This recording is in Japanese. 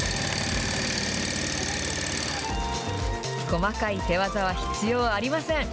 細かい手わざは必要ありません。